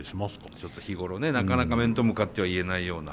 ちょっと日頃ねなかなか面と向かっては言えないような。